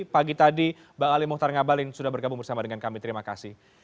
pagi tadi bang ali mohtar ngabalin sudah bergabung bersama dengan kami terima kasih